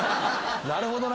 なるほどね。